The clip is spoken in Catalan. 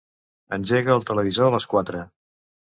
Engega el televisor a les quatre.